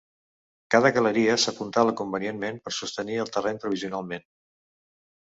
Cada galeria s'apuntala convenientment per sostenir el terreny provisionalment.